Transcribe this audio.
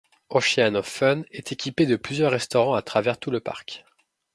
Oceans of Fun est équipé de plusieurs restaurants à travers tout le parc.